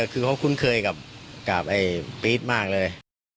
คือเขาคุ้นเคยกับปี๊ดมากเลย